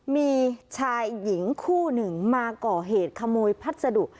มีชายหญิงคู่หนึ่งมาก่อเหตุขโมยพัสดุ